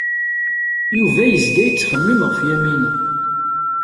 Yuba yezga yettxemmim ɣef Yamina.